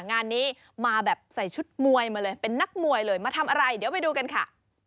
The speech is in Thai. งานนี้มาแบบใส่ชุดมวยมาเลยเป็นนักมวยเลยมาทำอะไรเดี๋ยวไปดูกันค่ะ